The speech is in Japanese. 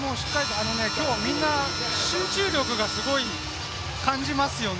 きょう、みんな集中力がすごい感じますよね。